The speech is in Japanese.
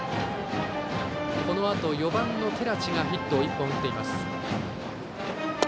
このあと、４番の寺地がヒットを１本打っています。